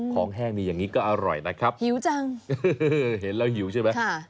แห้งดีอย่างนี้ก็อร่อยนะครับหิวจังเห็นแล้วหิวใช่ไหม